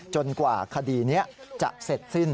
กว่าคดีนี้จะเสร็จสิ้น